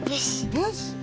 よし。